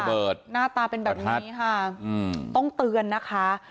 หน้าตาเป็นแบบนี้ค่ะต้องเตือนนะคะ